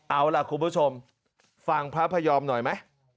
เอาล่ะคุณผู้ชมฟังพระพยอมหน่อยไหม